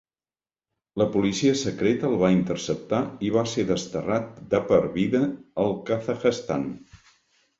La policia secreta el va interceptar i va ser desterrat de per vida al Kazakhstan.